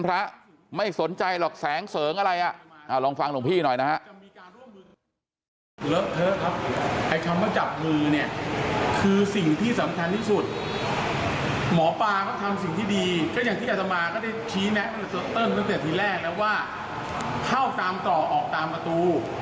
ให้ทำมาจับมือเนี่ยคือสิ่งที่สำคัญที่สุดหมอปลาก็ทำสิ่งที่ดีก็อย่างที่อัศมาก็ได้ชี้แนะกับเจ้าเติ้ลตั้งแต่ที่แรกแล้วว่าเข้าตามต่อออกตามกระตู